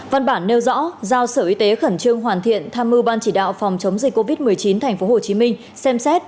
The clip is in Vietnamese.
văn bản nêu rõ giao sở y tế khẩn trương hoàn thiện tham mưu ban chỉ đạo phòng chống dịch covid một mươi chín tp hcm xem xét